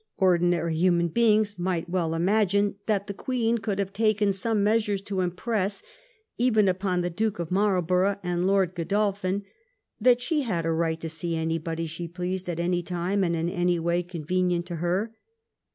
Ordinary human beings might well imagine that the Queen could have taken some measures to impress, even upon the Duke of Marlborough and Lord Godol phin, that she had a right to see anybody she pleased at any time and in any way convenient to her.